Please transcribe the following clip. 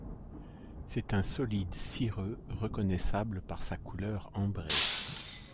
C'est un solide cireux reconnaissable par sa couleur ambrée.